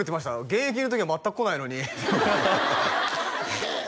現役の時は全く来ないのにへえ